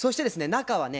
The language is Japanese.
中はね